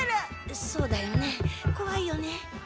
そうだよねこわいよね。